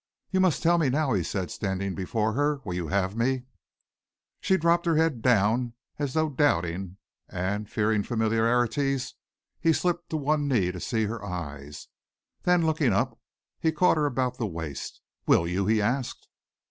"You must tell me now," he said, standing before her. "Will you have me?" She dropped her head down as though doubting, and fearing familiarities; he slipped to one knee to see her eyes. Then, looking up, he caught her about the waist. "Will you?" he asked.